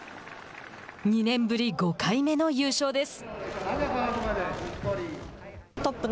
２年ぶり５回目の優勝です。